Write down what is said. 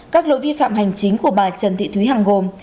các lỗi vi phạm hành chính của bà trần thị thúy hằng gồm